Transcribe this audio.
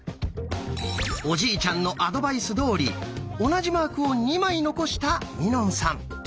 おじいちゃんのアドバイスどおり同じマークを２枚残したみのんさん。